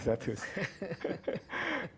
di bawah seratus